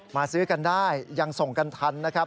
ซื้อกันได้ยังส่งกันทันนะครับ